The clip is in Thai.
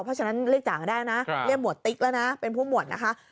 เพราะฉะนั้นเป็นผู้มวดนะคะ